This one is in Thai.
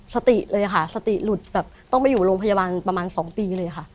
สติเลยค่ะสติหลุดแบบต้องไปอยู่โรงพยาบาลประมาณ๒ปีเลยค่ะ